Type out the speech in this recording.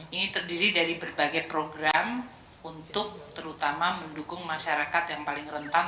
ini terdiri dari berbagai program untuk terutama mendukung masyarakat yang paling rentan